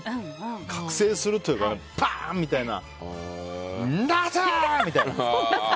覚醒するというかパーン！みたいな。夏！みたいな。